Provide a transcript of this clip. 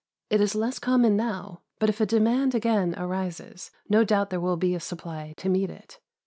It is less common now, but if a demand again arises, no doubt there will be a supply to meet it.